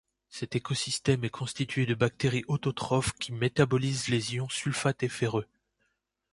Cet écosystème est constitué de bactéries autotrophes qui métabolisent les ions sulfates et ferreux.